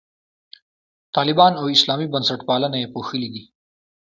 طالبان او اسلامي بنسټپالنه یې پوښلي دي.